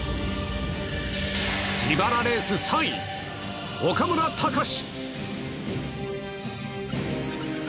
自腹レース３位、岡村隆史。